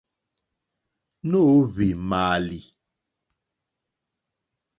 Nǒhwì mààlì.